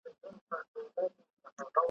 د یوه په مفهوم لا نه یم پوه سوی ,